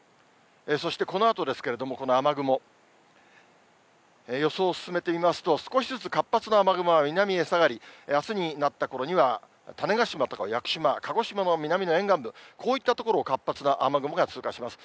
そして、このあとですけれども、この雨雲、予想を進めてみますと、少しずつ活発な雨雲は南へ下がり、あすになったころには、種子島とか屋久島、鹿児島の南の沿岸部、こういった所を活発な雨雲が通過します。